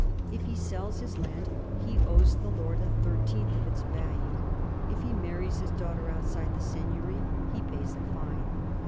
If he sells his land, he owes the lord a thirteenth of its value; if he marries his daughter outside the seigniory, he pays a fine.